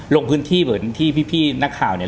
ลงพื้นที่เหมือนที่พี่นักข่าวเนี่ย